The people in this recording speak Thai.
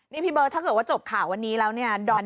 นี่พี่เบิร์ตถ้าเกิดว่าจบข่าววันนี้แล้วเนี่ย